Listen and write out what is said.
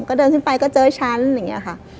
ก็เดินขึ้นไปก็เจอฉันอย่างนี้ค่ะ